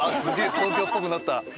東京っぽくなった。